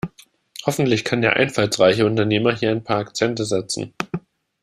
Hoffentlich kann der einfallsreiche Unternehmer hier ein paar Akzente setzen.